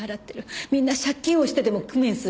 みんな借金をしてでも工面するわ。